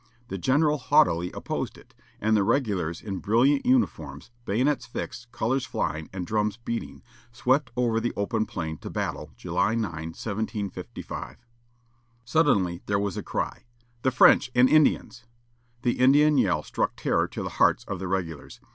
The general haughtily opposed it, and the regulars in brilliant uniforms, bayonets fixed, colors flying, and drums beating, swept over the open plain to battle, July 9, 1755. Suddenly there was a cry, "The French and Indians!" The Indian yell struck terror to the hearts of the regulars.